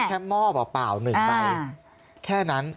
ก็แค่หม้อเปล่าหนึ่งใบแค่นั้น